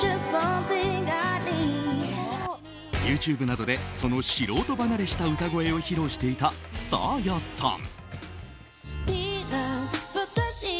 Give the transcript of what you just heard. ＹｏｕＴｕｂｅなどでその素人離れした歌声を披露していたサーヤさん。